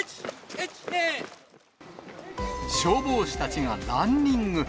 消防士たちがランニング。